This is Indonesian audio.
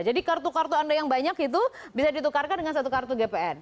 jadi kartu kartu anda yang banyak itu bisa ditukarkan dengan satu kartu gpn